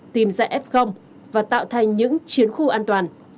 tìm ra f và tạo thành những chiến khu an toàn